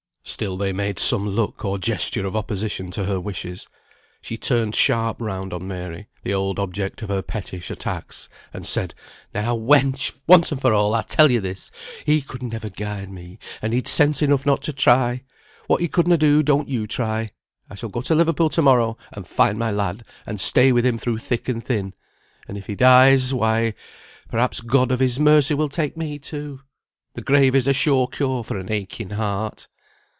Still they made some look, or gesture of opposition to her wishes. She turned sharp round on Mary, the old object of her pettish attacks, and said, "Now, wench! once for all! I tell yo this. He could never guide me; and he'd sense enough not to try. What he could na do, don't you try. I shall go to Liverpool to morrow, and find my lad, and stay with him through thick and thin; and if he dies, why, perhaps, God of His mercy will take me too. The grave is a sure cure for an aching heart."